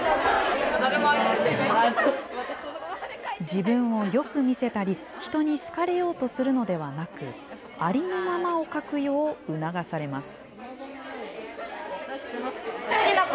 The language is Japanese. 自分をよく見せたり人に好かれようとするのではなくありのままを書くよう促されます。